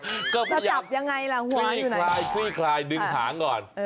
แล้วจับอย่างไรล่ะหัวอยู่ไหนคลี่คลายดึงหางก่อน